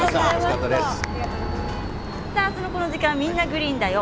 明日のこの時間は「みんな！グリーンだよ」。